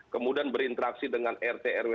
kemudian berinteraksi dengan rt rw